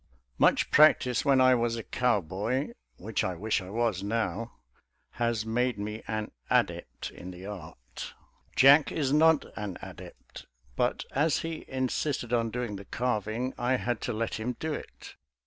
Much practice when I was a cowboy, which I wish I was now, has made me an adept in the art. Jack is not an adept, but as he insisted on doing the carving, I had to let him do it.